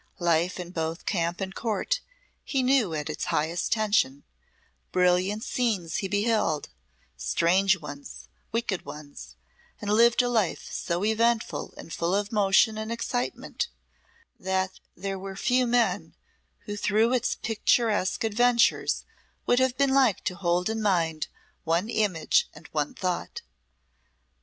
Life in both camp and Court he knew at its highest tension, brilliant scenes he beheld, strange ones, wicked ones, and lived a life so eventful and full of motion and excitement that there were few men who through its picturesque adventures would have been like to hold in mind one image and one thought.